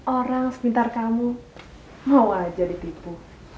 orang sekitar kamu mau aja ditipu